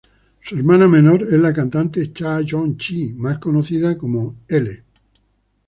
Su hermana menor es la cantante Cha Yoon-ji, más conocida como "I".